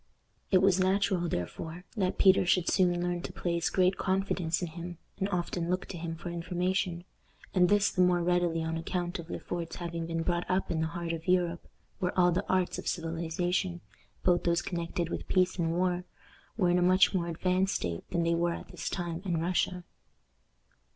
It was natural, therefore, that Peter should soon learn to place great confidence in him, and often look to him for information, and this the more readily on account of Le Fort's having been brought up in the heart of Europe, where all the arts of civilization, both those connected with peace and war, were in a much more advanced state than they were at this time in Russia.